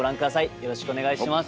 よろしくお願いします。